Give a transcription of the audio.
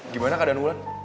gimana keadaan ulan